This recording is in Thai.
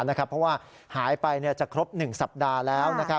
เพราะว่าหายไปจะครบ๑สัปดาห์แล้ว